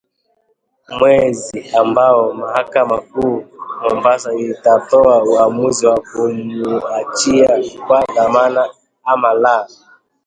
mwezi ambapo mahakama kuu ya Mombasa itatoa uamuzi wa kumuachilia kwa dhamana ama la